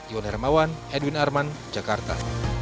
iwan hermawan edwin arman jakarta